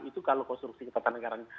itu kalau konstruksi ketatanegaraan